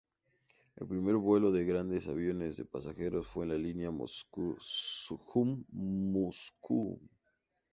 El primer vuelo de grandes aviones de pasajeros fue al línea Moscú-Sujum-Moscú.